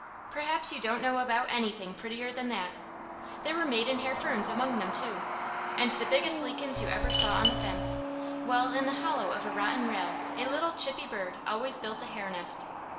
Perhaps you don't know about anything prettier than that. There were maiden hair ferns among them too! and the biggest lichens you ever saw on the fence, while in the hollow of a rotten rail a little chippy bird always built a hair nest.